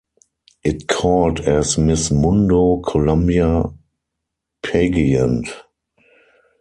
It called as Miss Mundo Colombia pageant.